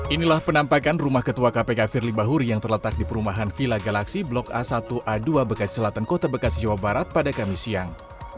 inilah penampakan rumah ketua kpk firly bahuri yang terletak di perumahan villa galaksi blok a satu a dua bekasi selatan kota bekasi jawa barat pada kamis siang